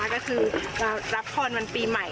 ก็คือจะรับพรวันปีใหม่